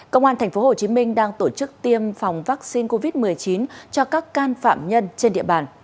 công an tp hcm đang tổ chức tiêm phòng vaccine covid một mươi chín cho các can phạm nhân trên địa bàn